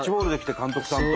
監督さんと。